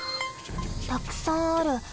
たくさんある。